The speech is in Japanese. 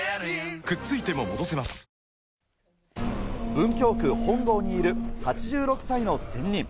文京区本郷にいる８６歳の仙人。